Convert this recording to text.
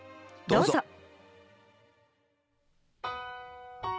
どうぞ。